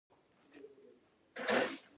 زړه د دوعا منبع ده.